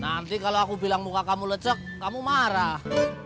nanti kalau aku bilang muka kamu lecek kamu marah